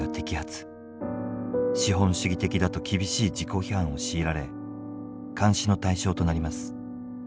資本主義的だと厳しい自己批判を強いられ監視の対象となります。